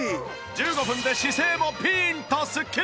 １５分で姿勢もピーンとスッキリ！